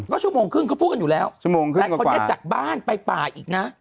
ก็ชั่วโมงครึ่งเขาพูดอยู่แล้วแต่เขายัดจากบ้านไปป่าอีกนะ